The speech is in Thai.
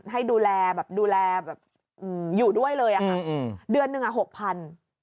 ให้ดูแลอยู่ด้วยเลยค่ะเดือนหนึ่ง๖๐๐๐บาท